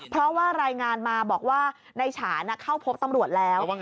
เพราะว่ารายงานมาบอกว่าในฉานเข้าพบตำรวจแล้ว